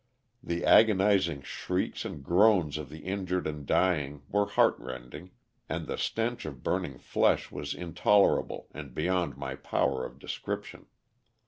The agonizing shrieks and groans of the injured and dying were heart rending, and the stench of burning flesh was intolerable and beyond my power of description.